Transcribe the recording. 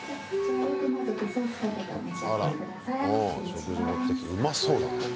あら、食事持ってきてうまそうだな！